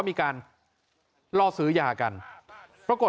ส่งมาขอความช่วยเหลือจากเพื่อนครับ